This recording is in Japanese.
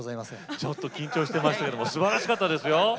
ちょっと緊張してましたけどもすばらしかったですよ！